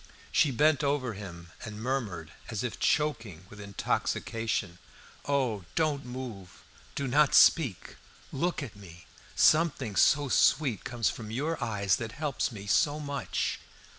She bent over him, and murmured, as if choking with intoxication "Oh, do not move! do not speak! look at me! Something so sweet comes from your eyes that helps me so much!"